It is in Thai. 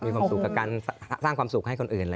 มีความสุขกับการสร้างความสุขให้คนอื่น